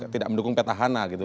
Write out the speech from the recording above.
tidak mendukung petahana gitu